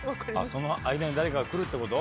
その間に誰かが来るってこと？